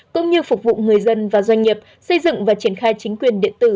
cũng như phục vụ người dân và doanh nghiệp xây dựng và triển khai chính quyền điện tử